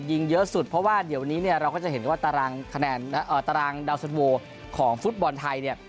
ยิงเยอะสุดเพราะว่าเดี๋ยววันนี้เนี่ยเราก็จะเห็นว่าตารางคะแนนตารางดาวสันโวของฟุตบอลไทยเนี่ย